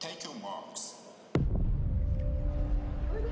おいで！